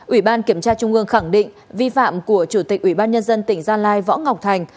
ủy ban kiểm tra trung ương khẳng định vi phạm của chủ tịch ủy ban nhân dân tỉnh gia lai võ ngọc thành